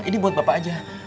ini buat pak pak aja